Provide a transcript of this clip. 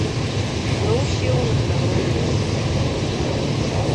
Зноў сеў на старое месца.